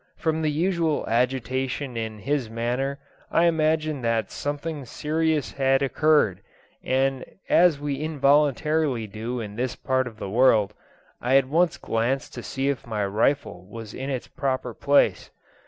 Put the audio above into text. From the unusual agitation in his manner I imagined that something serious had occurred, and, as we involuntarily do in this part of the world, I at once glanced to see if my rifle was in its proper place.